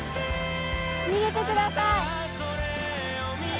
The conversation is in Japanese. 逃げてください。